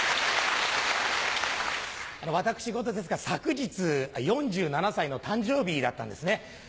私事ですが昨日４７歳の誕生日だったんですね。